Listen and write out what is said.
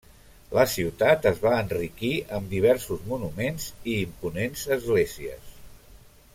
La ciutat es va enriquir amb diversos monuments i imponents esglésies.